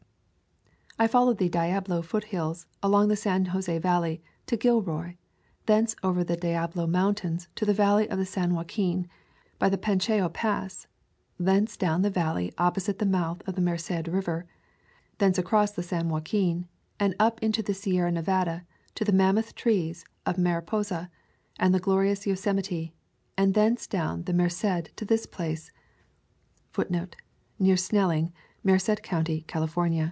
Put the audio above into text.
I followed the Diablo foothills along the San José Valley to Gilroy, thence over the Diablo Mountains to the valley of the San Joaquin by the Pacheco Pass, thence down the valley opposite the mouth of the Merced River, thence across the San Joaquin, and up into the Sierra Nevada to the mammoth trees of Mariposa, and the glorious Yosemite, and thence down the Merced to this place.?